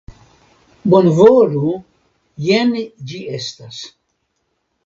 Bonvolu, jen ĝi estas.